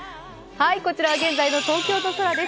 こちら現在の東京の空です。